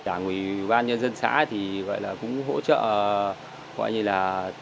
đảng ủy ban nhân dân xã thì cũng hỗ trợ gọi như là